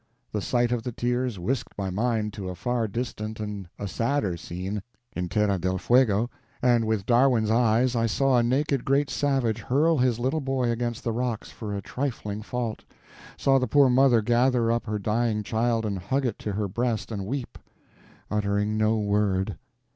The sight of the tears whisked my mind to a far distant and a sadder scene—in Terra del Fuego—and with Darwin's eyes I saw a naked great savage hurl his little boy against the rocks for a trifling fault; saw the poor mother gather up her dying child and hug it to her breast and weep, uttering no word.